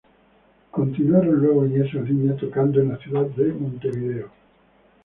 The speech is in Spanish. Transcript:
Continuaron luego en esa línea tocando en la ciudad de Montevideo.